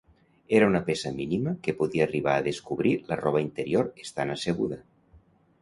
Era una peça mínima que podia arribar a descobrir la roba interior estant asseguda.